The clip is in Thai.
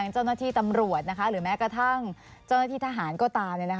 เจ้าหน้าที่ตำรวจหรือแม้กระทั่งเจ้าหน้าที่ทหารก็ตาม